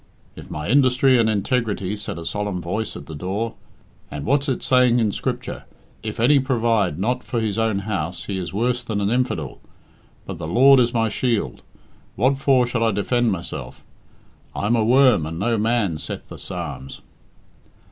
"If my industry and integrity," said a solemn voice at the door "and what's it saying in Scripture? 'If any provide not for his own house he is worse than an infidel.' But the Lord is my shield. What for should I defend myself? I am a worm and no man, saith the Psalms."